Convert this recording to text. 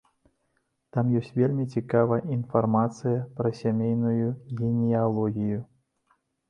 Там ёсць вельмі цікавая інфармацыя пра сямейную генеалогію.